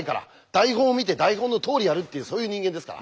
台本を見て台本のとおりやるってそういう人間ですから。